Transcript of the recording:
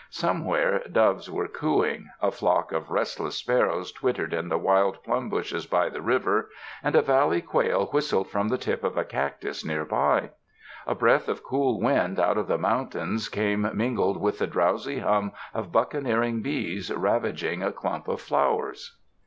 Somewhere doves were cooing, a flock of restless sparrows twittered in the wild plum bushes by the river, and a valley quail whistled from the tip of a cactus near by. A breath of cool wind out of the mountains came mingled with the drowsy hum of buccaneering bees ravaging a clump of flowers.